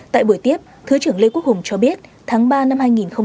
tại buổi tiếp thứ trưởng lê quốc hùng cho biết tháng ba năm hai nghìn hai mươi